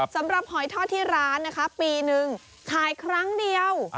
สำหรับหอยทอดที่ร้านนะคะปีนึงขายครั้งเดียว